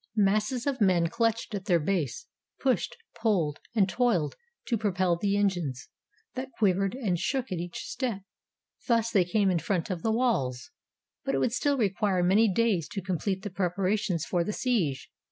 282 THE CUTTING OF THE AQUEDUCT Masses of men clutched at their base, pushed, pulled, and toiled to propel the engines, that quivered and shook at each step : thus they came in front of the walls. But it would still require many days to complete the prep arations for the siege.